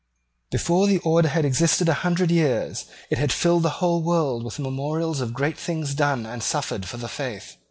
Before the Order had existed a hundred years, it had filled the whole world with memorials of great things done and suffered for the faith.